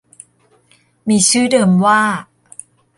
มีชื่อเดิมว่า